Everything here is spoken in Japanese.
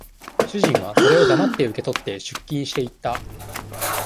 主人は、それを黙って受け取って、出勤して行った。